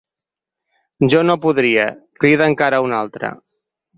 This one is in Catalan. Jo no podria —crida encara una altra.